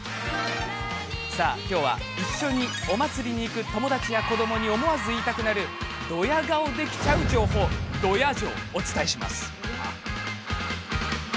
さあ今日は一緒にお祭りに行く友達や子どもに思わず言いたくなるどや顔できちゃう情報ドヤ情をお伝えします。